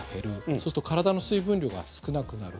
そうすると体の水分量が少なくなる。